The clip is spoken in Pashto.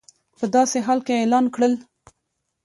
په داسې حال کې اعلان کړل